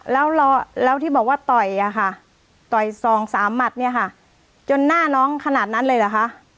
แล้วที่บอกว่าต่อยอะค่ะต่อยสองสามหมัดเนี่ยค่ะจนหน้าน้องขนาดนั้นเลยเหรอคะ